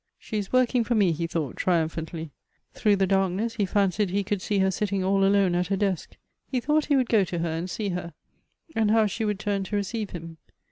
She is working for me, he thought tri umphantly. Through the darkness, he fancied he could see her sitting all alone at her desk. He thought he would go to her, and sec her ; and how she would turn to receive him.